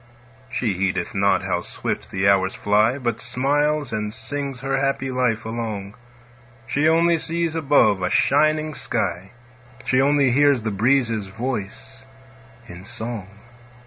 She heedeth not how swift the hours fly, But smiles and sings her happy life along; She only sees above a shining sky; She only hears the breezes' voice in song.